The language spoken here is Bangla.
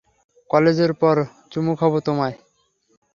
কলেজের পর চুমু খাবো তোমায়।